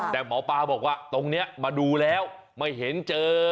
แต่หมอปลาบอกว่าตรงนี้มาดูแล้วไม่เห็นเจอ